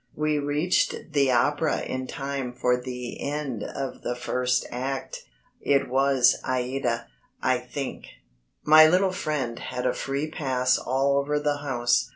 We reached the Opera in time for the end of the first act it was Aïda, I think. My little friend had a free pass all over the house.